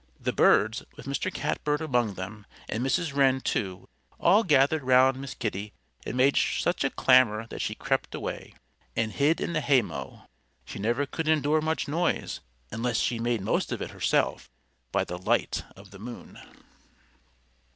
The birds with Mr. Catbird among them, and Mrs. Wren, too all gathered round Miss Kitty and made such a clamor that she crept away and hid in the haymow. She never could endure much noise, unless she made most of it herself by the light Of the moon.